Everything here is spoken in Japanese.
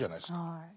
はい。